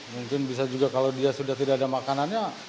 mungkin bisa juga kalau dia sudah tidak ada makanannya